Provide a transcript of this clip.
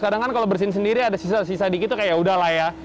kadang kan kalau bersihin sendiri ada sisa sisa dikit tuh kayak ya udahlah ya